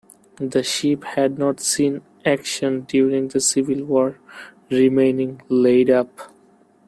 The ship had not seen action during the Civil War, remaining laid up.